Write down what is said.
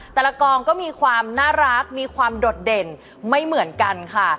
กองก็มีความน่ารักมีความโดดเด่นไม่เหมือนกันค่ะ